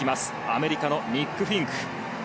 アメリカのニック・フィンク。